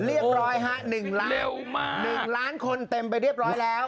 เรียบร้อยฮะ๑ล้าน๑ล้านคนเต็มไปเรียบร้อยแล้ว